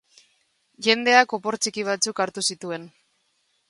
Jendeak opor txiki batzuk hartu zituen.